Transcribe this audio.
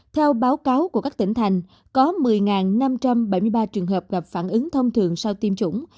theo báo cáo của các tỉnh thành có một mươi năm trăm bảy mươi ba trường hợp gặp phản ứng thông thường sau tiêm chủng